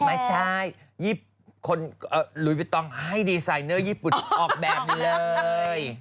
ไม่ใช่หลุยวิทองให้ดีไซน์เนอร์ญี่ปุ่นออกแบบเลย